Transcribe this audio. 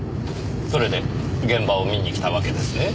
それで現場を見に来たわけですね？